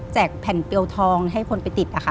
แจกแผ่นเปรียวทองให้คนไปติด